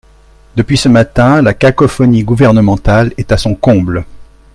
Depuis ce matin, la cacophonie gouvernementale est à son comble.